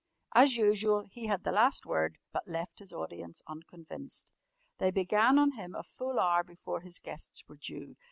As usual he had the last word, but left his audience unconvinced. They began on him a full hour before his guests were due.